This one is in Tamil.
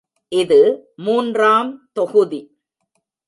இது மூன்றாம் தொகுதி.